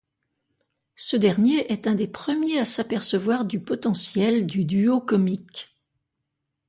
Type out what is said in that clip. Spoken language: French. Ce dernier est un des premiers à s'apercevoir du potentiel du duo comique.